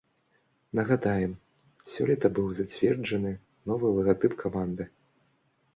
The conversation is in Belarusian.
Нагадаем, сёлета быў зацверджаны новы лагатып каманды.